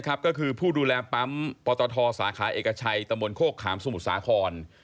ก็คือผู้ดูแลปั๊มปตทสาขาเอกชัยตะมนต์โคกขามสมุทรสาคร